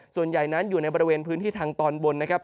ส่วนใหญ่นั้นอยู่ในบริเวณพื้นที่ทางตอนบนนะครับ